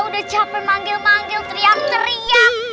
udah capek manggil manggil teriak teriak